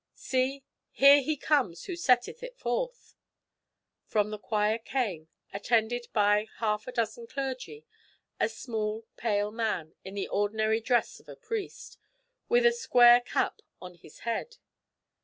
See, here he comes who setteth it forth." From the choir came, attended by half a dozen clergy, a small, pale man, in the ordinary dress of a priest, with a square cap on his head.